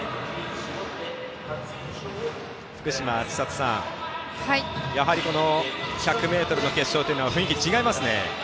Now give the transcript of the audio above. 福島千里さんやはり１００ｍの決勝というのは雰囲気が違いますね。